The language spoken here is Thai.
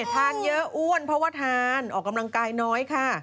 ทานเยอะอ้วนเพราะว่าทานออกกำลังกายน้อยค่ะ